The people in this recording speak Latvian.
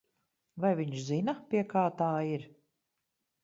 Vai viņš zina, pie kā tā ir?